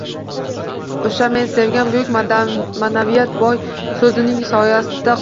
O‘sha men sevgan buyuk ma’naviyat «boy» so‘zining soyasida qolib